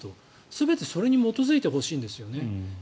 全てそれに基づいてほしいんですよね。